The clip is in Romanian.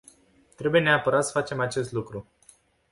Trebuie neapărat să facem acest lucru.